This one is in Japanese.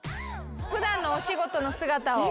普段のお仕事の姿を。